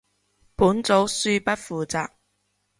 本組恕不負責